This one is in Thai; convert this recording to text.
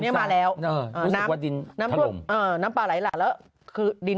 ตอนนี้มาแล้วน้ำปลาหลายหลากแล้ว